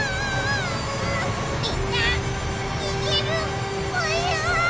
みんなにげるぽよ。